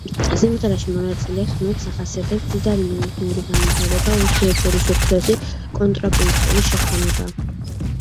სიმღერაში მონაწილე ხმებს ახასიათებს მდიდარი მელოდიური განვითარება, ურთიერთშორის ურთულესი კონტრაპუნქტული შეხამება.